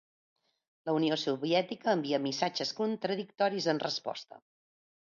La Unió Soviètica envia missatges contradictoris en resposta.